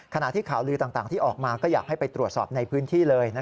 ขณะที่ข่าวลือต่างที่ออกมาก็อยากให้ไปตรวจสอบในพื้นที่เลย